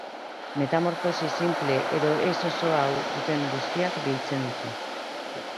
Metamorfosi sinple edo ez-osoa duten guztiak biltzen ditu.